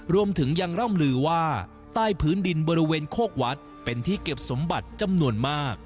รวมถึงยังร่ำลือว่าใต้พื้นดินบริเวณโคกวัดเป็นที่เก็บสมบัติจำนวนมาก